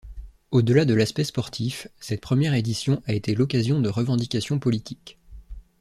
Au delà de l'aspect sportif, cette première édition a été l'occasion de revendications politiques.